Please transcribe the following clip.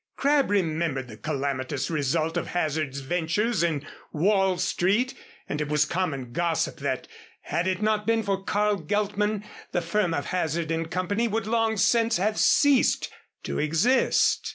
Crabb remembered the calamitous result of Hazard's ventures in Wall Street, and it was common gossip that, had it not been for Carl Geltman, the firm of Hazard and Company would long since have ceased to exist.